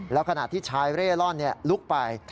แล้วขณะที่ชายเร่ร่อนลุกไป